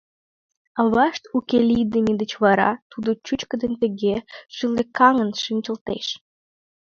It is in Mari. Авашт уке лийме деч вара тудо чӱчкыдын тыге шӱлыкаҥын шинчылтеш.